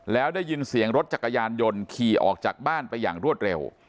แล้วได้ยินเสียงรถจักรยานยนต์ขี่ออกจากบ้านไปอย่างรวดเร็ว